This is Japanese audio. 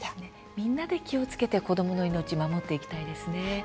みんなで気をつけて子どもの命を守っていきたいですね。